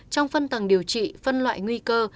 trong phân tầng điều trị phân loại nguy cơ